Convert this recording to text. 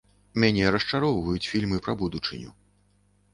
Мяне расчароўваюць фільмы пра будучыню.